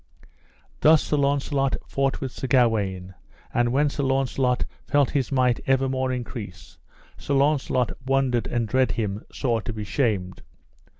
Thus Sir Launcelot fought with Sir Gawaine, and when Sir Launcelot felt his might evermore increase, Sir Launcelot wondered and dread him sore to be shamed.